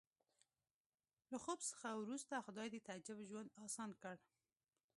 له خوب وروسته خدای د تعجب ژوند اسان کړ